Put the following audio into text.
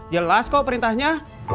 jelas kok perintahnya